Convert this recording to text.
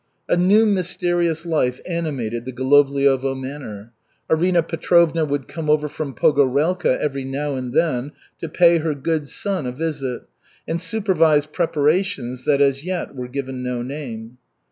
A new mysterious life animated the Golovliovo manor. Arina Petrovna would come over from Pogorelka every now and then to pay her "good son" a visit and supervise preparations that as yet were given no name.